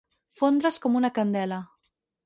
Fondre's com una candela.